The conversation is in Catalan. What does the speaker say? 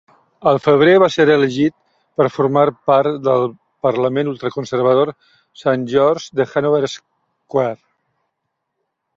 Al febrer va ser elegit per formar part del parlament ultraconservador Saint George's de Hannover Square.